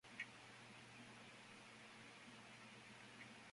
Fue erigida en memoria de los caídos por la liberación.